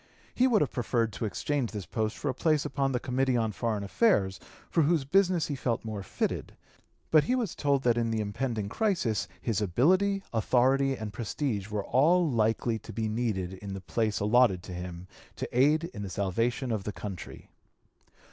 He would have preferred to exchange this post for a place upon the Committee on Foreign Affairs, for whose business he felt more fitted. But he was told that in the impending crisis his ability, authority, and prestige were all likely to be needed in the place allotted to him to aid in the salvation of the country.